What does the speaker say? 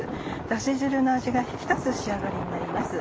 ダシ汁の味が引き立つ仕上がりになります。